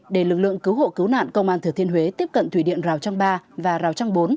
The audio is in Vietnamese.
để lực lượng cứu hộ cứu nạn công an thừa thiên huế tiếp cận thủy điện giao trang ba và giao trang bốn